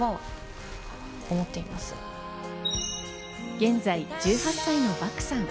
現在１８歳の漠さん。